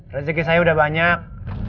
rejeki saya banyak